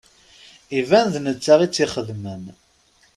Iban d netta i tt-ixedmen.